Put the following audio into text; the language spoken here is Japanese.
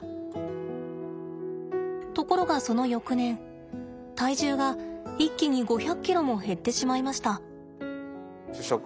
ところがその翌年体重が一気に５００ｋｇも減ってしまいました。